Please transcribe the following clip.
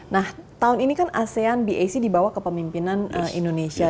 nah tahun ini kan asean bac dibawa ke pemimpinan indonesia